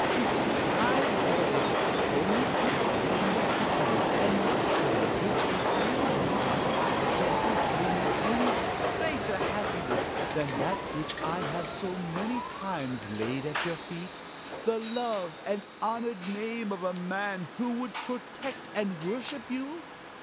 We strive for it, only to obtain the happiness and luxury which it brings. Can it bring any greater happiness than that which I have so many times laid at your feet the love and honored name of a man who would protect and worship you?